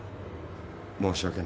申し訳ない。